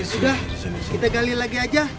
sudah kita galiin lagi aja